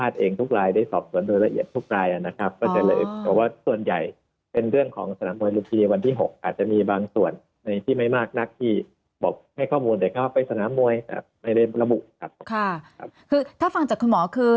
คือถ้าฟังจากคุณหมอคือ